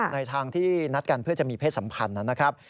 ในทางที่นัดกันเพื่อจะมีเพศสัมพันธ์นะครับ